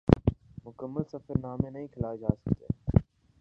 مکمل سفر نامے نہیں کھلائے جا سکتے